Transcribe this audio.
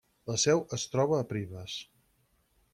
La seu es troba a Privas.